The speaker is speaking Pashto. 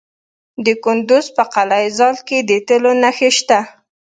د کندز په قلعه ذال کې د تیلو نښې شته.